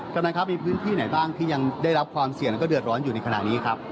กำลังครับมีพื้นที่ไหนบ้างที่ยังได้รับความเสี่ยงแล้วก็เดือดร้อนอยู่ในขณะนี้ครับ